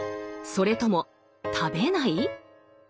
それとも食べない？